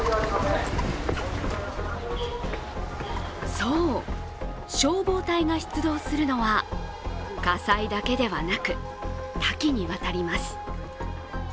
そう、消防隊が出動するのは火災だけではなく、多岐にわたります。